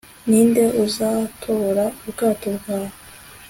ni nde uzatobora ubwato bwawe